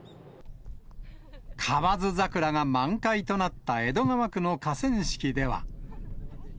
河津桜が満開となった江戸川区の河川敷では。